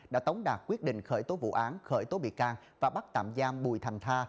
đã tống đạt quyết định khởi tố vụ án khởi tố bị can và bắt tạm giam bùi thành tha